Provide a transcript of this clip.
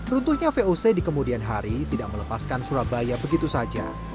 runtuhnya voc di kemudian hari tidak melepaskan surabaya begitu saja